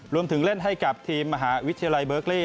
รวมถึงเล่นให้กับทีมมหาวิทยาลัยเบอร์กรี